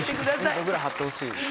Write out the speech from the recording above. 僕ら貼ってほしいです。